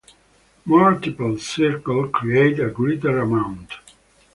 Multiple cycles create a greater amount.